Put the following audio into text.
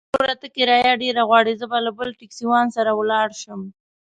وروره! ته کرايه ډېره غواړې، زه به له بل ټکسيوان سره ولاړ شم.